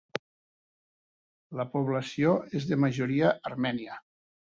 La població és de majoria armènia.